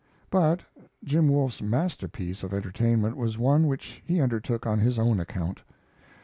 But Jim Wolfe's masterpiece of entertainment was one which he undertook on his own account.